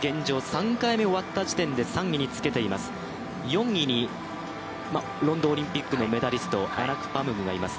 ３回目終わった時点で３位につけています、４位にロンドンオリンピックのメダリストアナクパムグがいます。